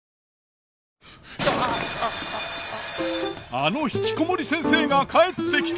あのひきこもり先生が帰ってきた！